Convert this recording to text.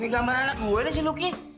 ini gambar anak gue nih si luki